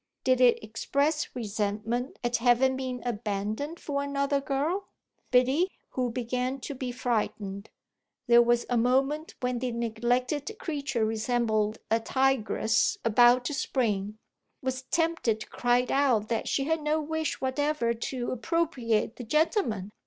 Did it express resentment at having been abandoned for another girl? Biddy, who began to be frightened there was a moment when the neglected creature resembled a tigress about to spring was tempted to cry out that she had no wish whatever to appropriate the gentleman.